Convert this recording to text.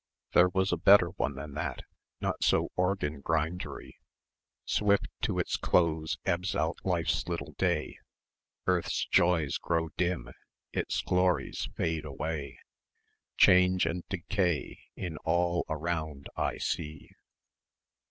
There was a better one than that ... not so organ grindery. "Swift to its close ebbs out life's little day; Earth's joys grow dim, its glories fade away; Change and decay in all around I see."